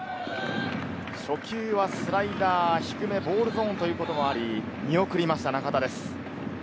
初球はスライダー、低め、ボールゾーンということもあり、見送りました中田です。